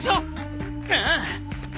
ああ！